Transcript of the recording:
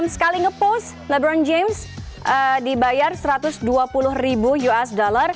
sekali ngepost leberon james dibayar satu ratus dua puluh ribu usd